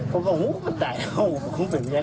ผมบอกโอ้โฮมันตายแล้วคุมเป็นวิญญาณ